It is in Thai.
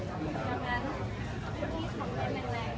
มันเป็นภาษาไทยก็ไม่ได้จัดการ